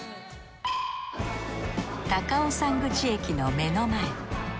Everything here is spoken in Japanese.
高尾山口駅の目の前